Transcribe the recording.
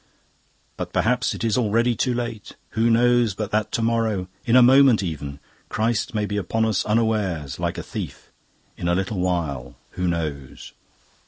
But perhaps it is already too late. Who knows but that to morrow, in a moment even, Christ may be upon us unawares, like a thief? In a little while, who knows?